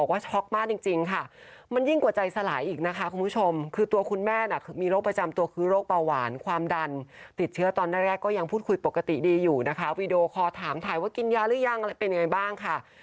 วีดีโอคอถามถ่ายว่ากินยาหรือยังเป็นอย่างไรบ้างค่ะ